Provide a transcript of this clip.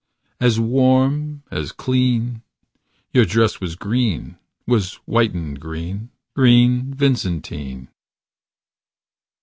As warm, as clean Your dress was green. Was whited green. Green Vincentine.